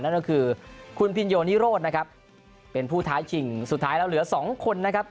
นั่นก็คือคุณพินโยนิโรธนะครับเป็นผู้ท้าชิงสุดท้ายแล้วเหลือสองคนนะครับ